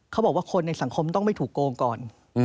เขาบอกว่าคนในสังคมต้องไม่ถูกโกงก่อน